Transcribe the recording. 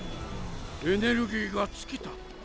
エネルギーが尽きた。